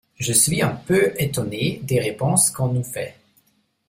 Je suis un peu étonné des réponses qu’on nous fait.